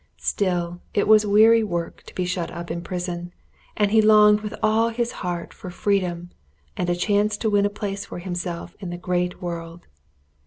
Still it was weary work to be shut up in prison, and he longed with all his heart for freedom, and a chance to win a place for himself in the great world.